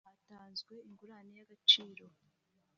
hatanzwe ingurane y agaciro